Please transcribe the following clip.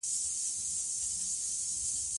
ازادي راډیو د سوداګریز تړونونه ته پام اړولی.